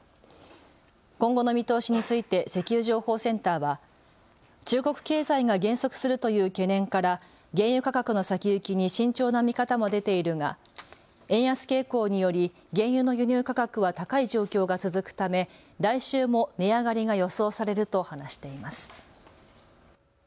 今後の見通しについて石油情報センターは中国経済が減速するという懸念から原油価格の先行きに慎重な見方も出ているが円安傾向により原油の輸入価格は高い状況が続くため来週も値上がりが予想されると話しています。